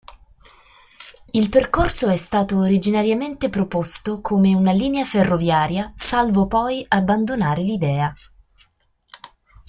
Il percorso è stato originariamente proposto come una linea ferroviaria salvo poi abbandonare l'idea.